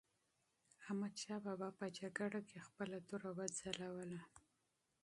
احمدشاه بابا په جګړه کې خپله توره وځلوله.